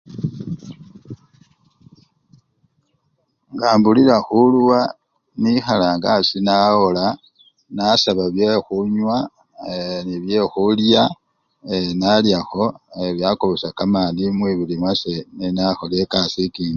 nga mbulila huluwa nihalangasii nawola nasaba bye khunywa eee ne bye khulya eee nalyakho ee byakobosa kamani mwibili mwase ne nakhola ekasi ekindi